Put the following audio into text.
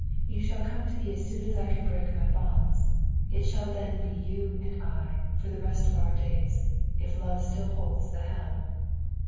You shall come to me as soon as I can break my bonds. It shall be then you and I, for the rest of our days, if Love still holds the helm."